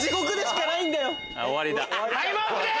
タイムアップです！